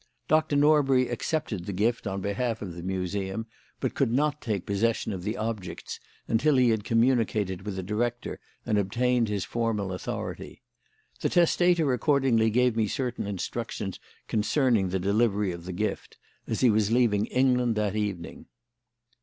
Doctor Norbury accepted the gift on behalf of the Museum, but could not take possession of the objects until he had communicated with the Director and obtained his formal authority. The testator accordingly gave me certain instructions concerning the delivery of the gift, as he was leaving England that evening."